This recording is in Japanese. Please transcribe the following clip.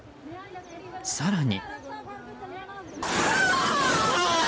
更に。